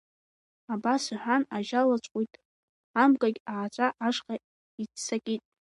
Абас аҳәан ажьа лацәҟәит, абгагь ааҵәа ашҟа иццакит.